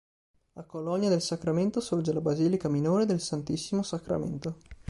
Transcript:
A Colonia del Sacramento sorge la basilica minore del Santissimo Sacramento.